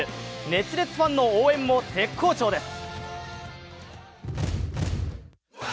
熱烈ファンの応援も絶好調です。